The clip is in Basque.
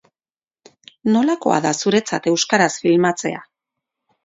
Nolakoa da zuretzat euskaraz filmatzea?